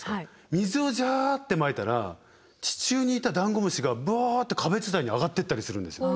水をジャってまいたら地中にいたダンゴムシがブワって壁伝いに上がってったりするんですよ。